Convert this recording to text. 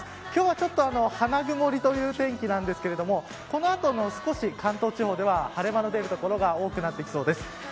今日はちょっと花曇りという天気なんですけれどもこのあと、少し関東地方では晴れ間の出る所が多くなってきそうです。